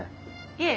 いえ。